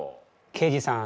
刑事さん